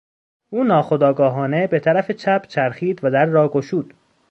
او ناخودآگاهانه به طرف چپ چرخید و در را گشود.